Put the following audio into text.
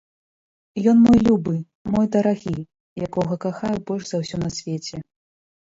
Ён мой любы, мой дарагі, якога кахаю больш за ўсё на свеце.